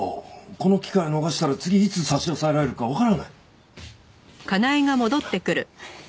この機会を逃したら次いつ差し押さえられるかわからない。